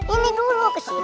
ini dulu kesini